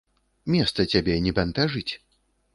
Месца цябе не бянтэжыць?